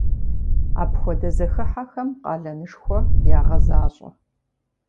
Апхуэдэ зэхыхьэхэм къалэнышхуэ ягъэзащӏэ.